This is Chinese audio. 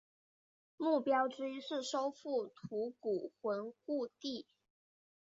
目标之一是收复吐谷浑故地。